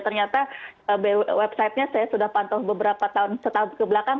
ternyata websitenya saya sudah pantau beberapa tahun setahun kebelakang